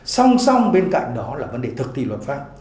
song song bên cạnh đó là vấn đề thực thi luật pháp